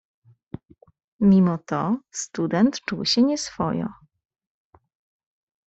"Mimo to student czuł się nieswojo."